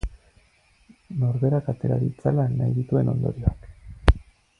Norberak atera ditzala nahi dituen ondorioak.